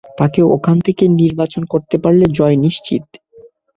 তাকে ওখান থেকে নির্বাচন করতে পারলে, জয় নিশ্চিত।